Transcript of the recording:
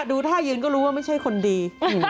ดูท่ายืนก็รู้ว่าไม่ใช่คนดี